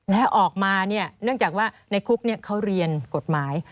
และออกมาเนื่องจากว่าในคุกเขาเรียนกฎหมาย